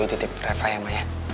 bu dititip reva ya ma ya